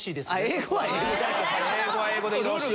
英語は英語で。